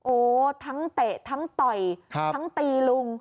โอ้ทั้งเตะทั้งต่อยทั้งตีลุง